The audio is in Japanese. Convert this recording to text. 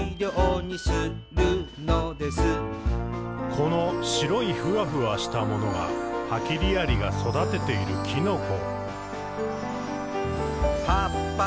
「この白いふわふわしたものがハキリアリが育てているきのこ。」